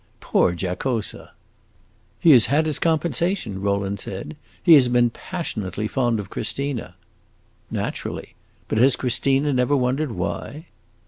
Poor Giacosa!" "He has had his compensation," Rowland said. "He has been passionately fond of Christina." "Naturally. But has Christina never wondered why?"